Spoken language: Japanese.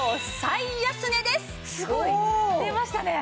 すごい！出ましたね！